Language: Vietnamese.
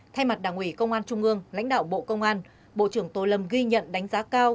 thay mặt đảng ủy công an trung ương lãnh đạo bộ công an bộ trưởng tô lâm ghi nhận đánh giá cao